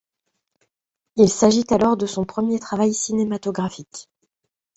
Il s’agit alors de son premier travail cinématographique.